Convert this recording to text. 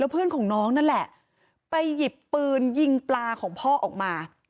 เพื่อนของน้องนั่นแหละไปหยิบปืนยิงปลาของพ่อออกมา